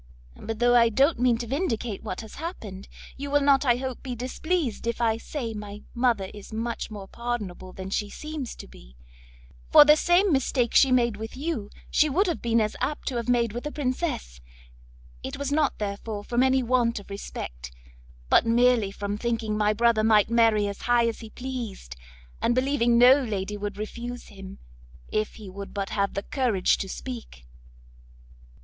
But though I don't mean to vindicate what has happened, you will not, I hope, be displeased if I say my mother is much more pardonable than she seems to be, for the same mistake she made with you, she would have been as apt to have made with a princess; it was not, therefore, from any want of respect, but merely from thinking my brother might marry as high as he pleased, and believing no lady would refuse him, if he would but have the courage to speak."